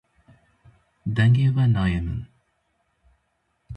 Dengê we nayê min.